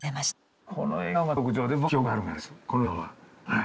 はい。